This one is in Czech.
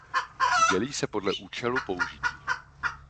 Dělí se podle účelu použití.